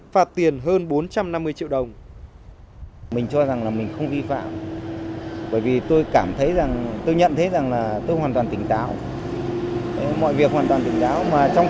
phạt tiền hơn bốn trăm năm mươi triệu đồng